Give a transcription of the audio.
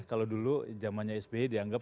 kalau dulu zamannya sby dianggap